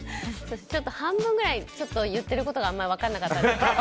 半分ぐらい言っていることがあんまり分からなかったです。